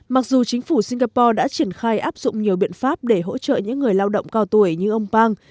mặc dù chính phủ singapore đã triển khai áp dụng nhiều biện pháp để hỗ trợ những người lao động cao tuổi như ông pang